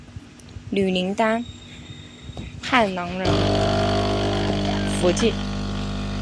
女林丹汗囊囊福晋。